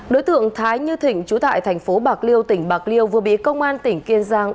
đối tượng thái như thịnh trú tại thành phố bạc liêu tỉnh bạc liêu vừa bị công an tỉnh kiên giang